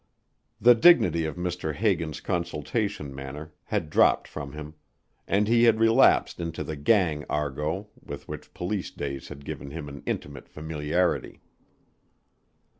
The dignity of Mr. Hagan's consultation manner had dropped from him, and he had relapsed into the gang argot with which police days had given him an intimate familiarity.